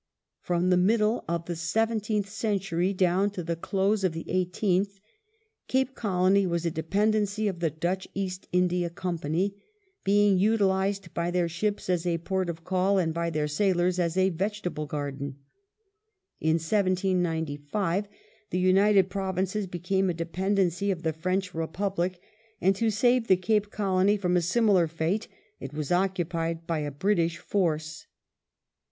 From the middle of the seventeenth century down to the close of the eighteenth. Cape Colony was a dependency of the Dutch pAst India Company, being utilized by their ships as a port of call and by their sailors a.s a vegetable garden. In 1795 the United Provinces became a dependency of the French Republic, and to ' C/. Holland, Devonshire, i. 304 318. 1881] CAPE COLONY 473 save the Cape Colony from a similar fate it was occupied by a British force.